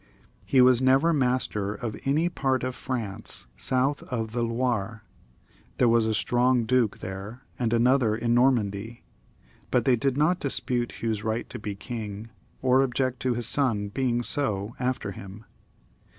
He was never master of any part of France south of the Loire. There was a strong duke there,. and another in Normandy. But they did not dispute Hugh's right to be king, or object to his son being so after him.